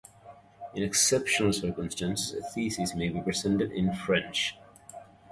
In exceptional circumstances, a thesis may be presented in French.